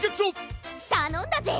たのんだぜ！